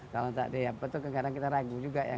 kalau tidak diapa kadang kita ragu juga ya